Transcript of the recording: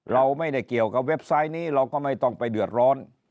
เราไม่ได้เกี่ยวกับเว็บไซต์นี้เราก็ไม่ต้องไปเดือดร้อน